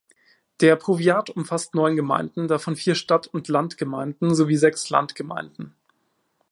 Der Powiat umfasst neun Gemeinden, davon vier Stadt-und-Land-Gemeinden sowie sechs Landgemeinden.